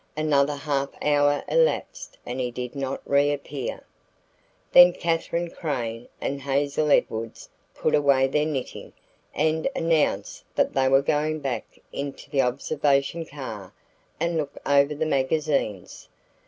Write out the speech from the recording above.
Another half hour elapsed and he did not reappear. Then Katherine Crane and Hazel Edwards put away their knitting and announced that they were going back into the observation car and look over the magazines.